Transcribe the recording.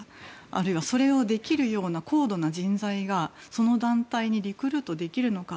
あるいはそれをできるような高度な人材がその団体にリクルートできるのか。